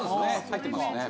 入ってますね。